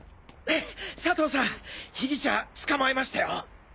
佐藤さん被疑者捕まえましたよ。